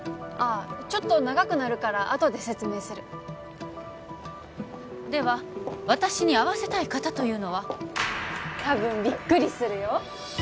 ああちょっと長くなるからあとで説明するでは私に会わせたい方というのはたぶんビックリするよ